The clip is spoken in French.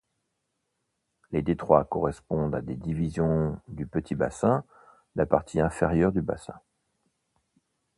Les détroits correspondent à des divisions du petit bassin, la partie inférieure du bassin.